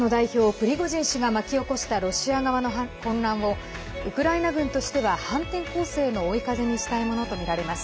プリゴジン氏が巻き起こしたロシア側の混乱をウクライナ軍としては反転攻勢の追い風としたいものとみられます。